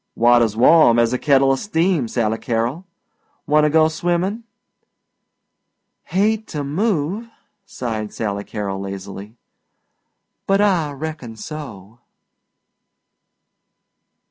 "Water's warm as a kettla steam, Sally Carol. Wanta go swimmin'?" "Hate to move," sighed Sally Carol lazily, "but I reckon so."